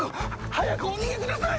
早くお逃げください！